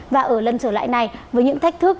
và ở lân trở lại này với những thách thức